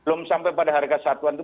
belum sampai pada harga satuan itu